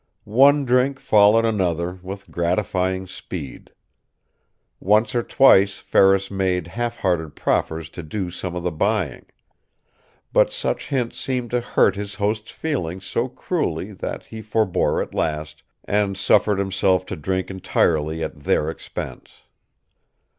One drink followed another with gratifying speed. Once or twice Ferris made halfhearted proffers to do some of the buying. But such hints seemed to hurt his hosts' feelings so cruelly that he forbore at last, and suffered himself to drink entirely at their expense.